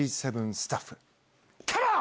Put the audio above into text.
スタッフ、カモン！